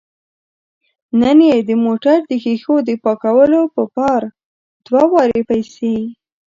نن یې د موټر د ښیښو د پاکولو په پار دوه واره پیسې